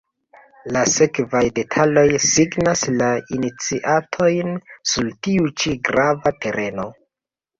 La sekvaj detaloj signas la iniciatojn sur tiu ĉi grava tereno.